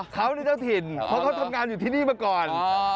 เขานี่เจ้าถิ่นเพราะเขาทำงานอยู่ที่นี่มาก่อน